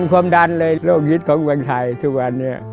มีความดันเลยโลกฮิตของวันไทรทุกวันนี้